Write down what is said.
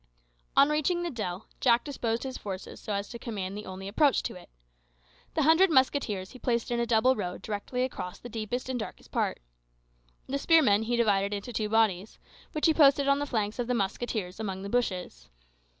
On reaching the dell Jack disposed his forces so as to command the only approach to it. The hundred musketeers he placed in a double row directly across the deepest and darkest part. The spearmen he divided into two bodies, which he posted on the flanks of the musketeers among the bushes.